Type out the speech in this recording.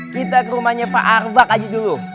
kita ke rumahnya pak arfak aja dulu